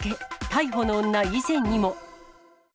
逮捕の女、以前にも。